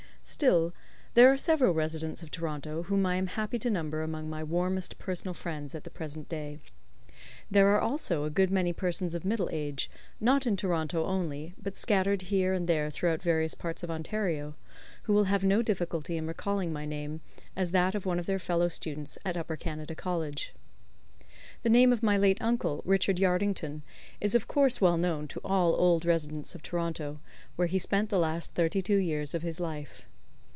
Still, there are several residents of Toronto whom I am happy to number among my warmest personal friends at the present day. There are also a good many persons of middle age, not in Toronto only, but scattered here and there throughout various parts of Ontario, who will have no difficulty in recalling my name as that of one of their fellow students at Upper Canada College. The name of my late uncle, Richard Yardington, is of course well known to all old residents of Toronto, where he spent the last thirty two years of his life.